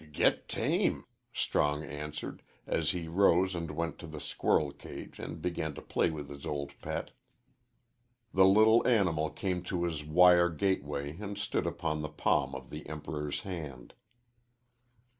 "G git tame," Strong answered, as he rose and went to the squirrel cage and began to play with his old pet. The little animal came to his wire gateway and stood upon the palm of the Emperor's hand.